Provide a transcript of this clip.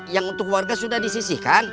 yang untuk warga sudah disisihkan